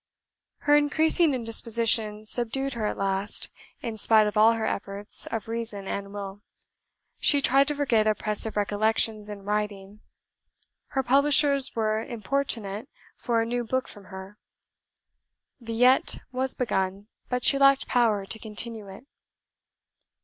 Her increasing indisposition subdued her at last, in spite of all her efforts of reason and will. She tried to forget oppressive recollections in writing. Her publishers were importunate for a new book from her pen. "Villette" was begun, but she lacked power to continue it.